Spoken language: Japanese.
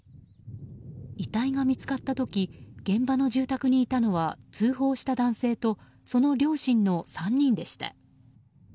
遺体が見つかった時現場の住宅にいたのは通報した男性とその両親の３人でした。